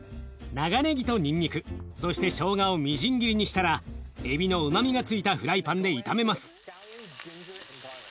長ねぎとにんにくそしてしょうがをみじん切りにしたらエビのうまみがついたフライパンで炒めます。